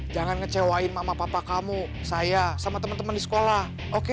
jangan ngecewain mama papa kamu saya sama teman teman di sekolah oke